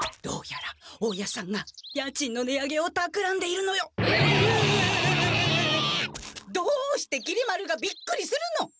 どうやら大家さんが家賃の値上げをたくらんでいるのよ。え！？うう！どうしてきり丸がびっくりするの！？